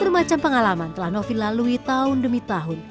bermacam pengalaman telah novi lalui tahun demi tahun